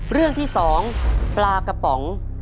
เรื่องที่๒ปลากระป๋อง